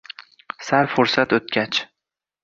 Sal fursat o'tgach: